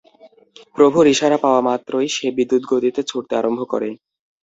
প্রভুর ইশারা পাওয়া মাত্রই সে বিদ্যুৎগতিতে ছুটতে আরম্ভ করে।